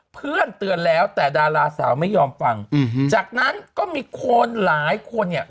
เตือนแล้วแต่ดาราสาวไม่ยอมฟังจากนั้นก็มีคนหลายคนเนี่ย